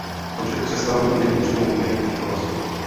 Počet křesel není přímo úměrný počtu hlasů.